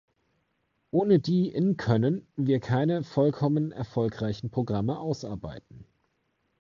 Ohne die Nkönnen wir keine vollkommen erfolgreichen Programme ausarbeiten.